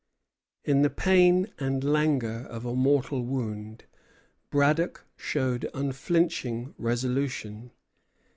In the pain and languor of a mortal wound, Braddock showed unflinching resolution.